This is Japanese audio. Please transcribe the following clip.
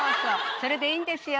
それでいいんですよね。